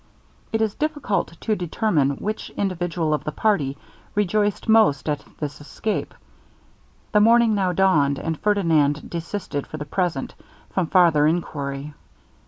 It is difficult to determine which individual of the party rejoiced most at this escape. The morning now dawned, and Ferdinand desisted for the present from farther enquiry.